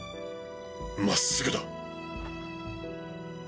まっすぐだ！